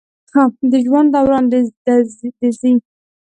د ژوند دوران د زی